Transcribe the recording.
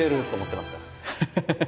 ハハハハ！